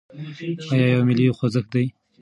دا يو ملي خوځښت دی.